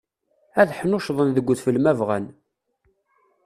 Ad ḥnuccḍen deg udfel ma bɣan.